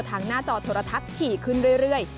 หน้าจอโทรทัศน์ถี่ขึ้นเรื่อย